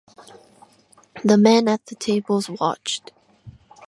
The men at the tables watched.